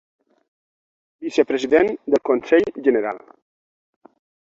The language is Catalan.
Vicepresident del Consell General.